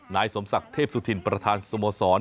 นายสมศักดิ์เทพสุธินประธานสโมสร